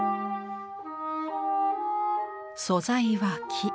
素材は木。